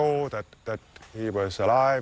ว่าเขาอยู่แล้ว